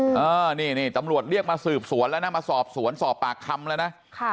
เออนี่นี่ตำรวจเรียกมาสืบสวนแล้วนะมาสอบสวนสอบปากคำแล้วนะค่ะ